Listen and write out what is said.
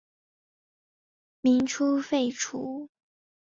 民初废除。